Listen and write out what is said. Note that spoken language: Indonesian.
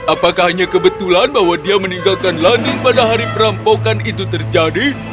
apakah hanya kebetulan bahwa dia meninggalkan london pada hari perampokan itu terjadi